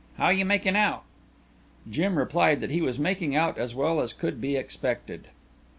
"How you making out?" Jim replied that he was making out as well as could be expected.